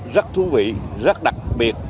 rất thú vị rất đặc biệt